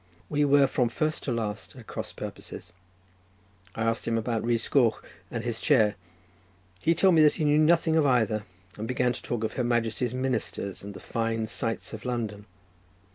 We were from first to last at cross purposes. I asked him about Rhys Goch and his chair. He told me that he knew nothing of either, and began to talk of Her Majesty's ministers, and the fine sights of London.